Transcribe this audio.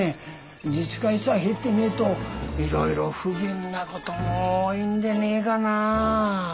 自治会さ入ってねえといろいろ不便な事も多いんでねえかな。